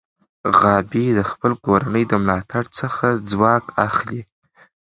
غابي د خپل کورنۍ د ملاتړ څخه ځواک اخلي.